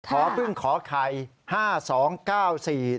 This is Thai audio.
พอเพิ่งขอไข๕๒๙๔นะครับ